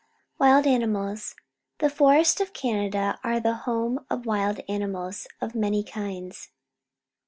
Wild Animals. — The forests of Canada are the home of wild animals of many kinds.